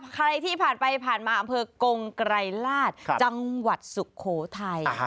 ใครที่ผ่านไปผ่านมาอำเภอกงไกรลาศจังหวัดสุโขทัย